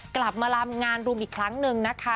กลับมาลำงานรุมอีกครั้งหนึ่งนะคะ